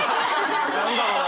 何だろうな？